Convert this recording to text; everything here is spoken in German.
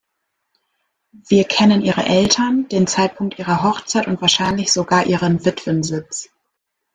Wir kennen ihre Eltern, den Zeitpunkt ihrer Hochzeit und wahrscheinlich sogar ihren Witwensitz.